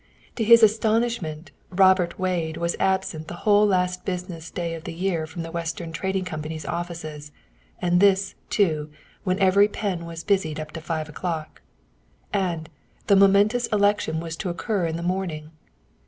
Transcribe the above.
To his astonishment, Robert Wade was absent the whole last business day of the year from the Western Trading Company's offices, and this, too, when every pen was busied up to five o'clock. And, the momentous election was to occur in the morning!